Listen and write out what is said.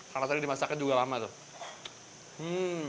karena tadi dimasaknya juga lama tuh